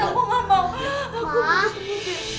aku gak mau